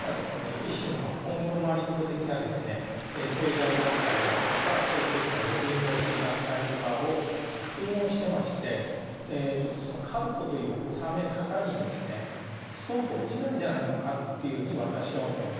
一種のコングロマリット的な経済団体であるとか政治的なロビイングをする団体とかを複合してましてちょっとそのカルトという収め方にですねストンと落ちないんじゃないのかというふうに私は思うんですね。